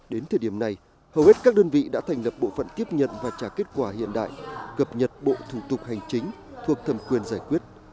đến thời điểm này hầu hết các đơn vị đã thành lập bộ phận tiếp nhận và trả kết quả hiện đại cập nhật bộ thủ tục hành chính thuộc thẩm quyền giải quyết